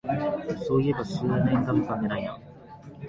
そういえばここ数年ガムかんでないな